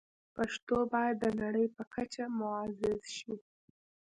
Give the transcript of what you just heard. پښتو باید د نړۍ په کچه معزز شي.